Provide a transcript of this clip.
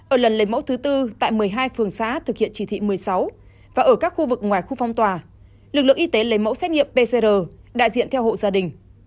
ở lần lấy mẫu thứ tư tại một mươi hai phường xã thực hiện chỉ thị một mươi sáu và ở các khu vực ngoài khu phong tỏa lực lượng y tế lấy mẫu xét nghiệm pcr đại diện theo hộ gia đình